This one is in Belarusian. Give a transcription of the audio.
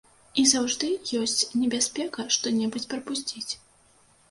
І заўжды ёсць небяспека што-небудзь прапусціць.